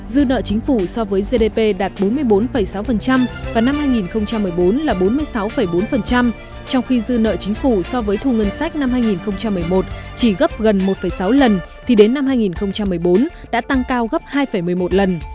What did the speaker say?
dư nợ chính phủ so với gdp đạt bốn mươi bốn sáu và năm hai nghìn một mươi bốn là bốn mươi sáu bốn trong khi dư nợ chính phủ so với thu ngân sách năm hai nghìn một mươi một chỉ gấp gần một sáu lần thì đến năm hai nghìn một mươi bốn đã tăng cao gấp hai một mươi một lần